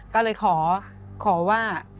ก็เลยขอว่า